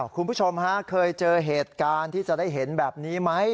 คุณผู้ชมฮะเคยเจอเหตุการณ์ที่จะได้เห็นแบบนี้ไหม